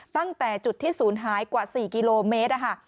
ตั้งแต่จุดที่ศูนย์หายกว่า๔กิโลเมตร